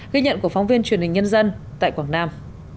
ghi nhận của phóng viên truyền hình nhân dân tại quảng nam